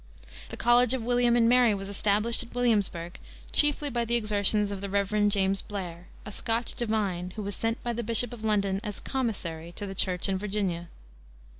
The college of William and Mary was established at Williamsburg chiefly by the exertions of the Rev. James Blair, a Scotch divine, who was sent by the Bishop of London as "commissary" to the Church in Virginia.